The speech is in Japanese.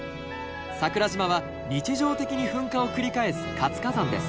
桜島は日常的に噴火を繰り返す活火山です。